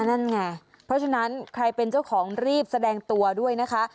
นั่นไงเพราะฉะนั้นใครเป็นเจ้าของรีบแสดงตัวด้วยนะคะ